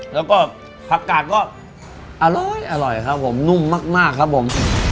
แล้วก็ผักกาดก็อร่อยครับผมนุ่มมากครับผม